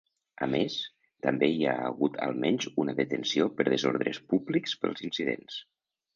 A més, també hi ha hagut almenys una detenció per desordres públics pels incidents.